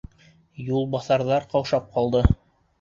Юлбаҫарҙар ҡаушап ҡалды.